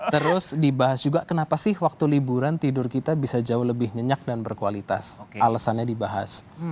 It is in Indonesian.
terus dibahas juga kenapa sih waktu liburan tidur kita bisa jauh lebih nyenyak dan berkualitas alasannya dibahas